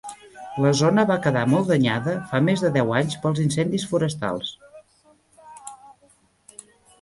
La zona va quedar molt danyada fa més de deu anys pels incendis forestals.